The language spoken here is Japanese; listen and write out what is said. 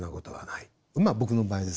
まあ僕の場合ですけどね。